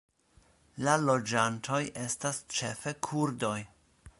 La loĝantoj estas ĉefe kurdoj.